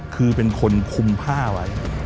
คือเป็นคนคุมผ้าไว้